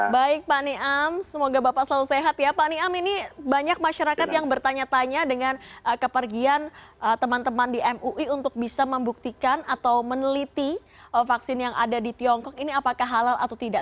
baik pak niam semoga bapak selalu sehat ya pak niam ini banyak masyarakat yang bertanya tanya dengan kepergian teman teman di mui untuk bisa membuktikan atau meneliti vaksin yang ada di tiongkok ini apakah halal atau tidak